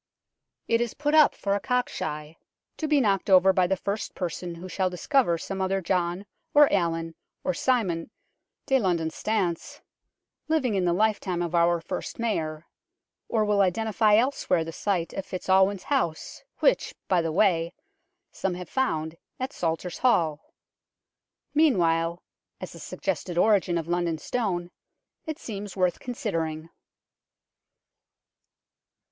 It is put up for a cock shy, to be knocked over by the first person who shall discover some other John, or Alan, or Simon " de Londone Stane " living in the lifetime of our first Mayor; or will identify elsewhere the site of FitzAlwin's house which, by the way, some have found at Salters Hall. Meanwhile, as a suggested origin of London Stone it seems worth considering.